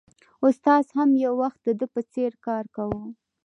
استاد هم یو وخت د ده په څېر کار کاوه